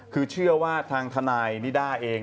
คือเชื่อว่าทางทนายนิด้าเอง